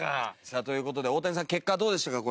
さあという事で大谷さん結果どうでしたか？